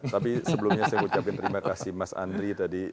tapi sebelumnya saya ucapin terima kasih mas andri tadi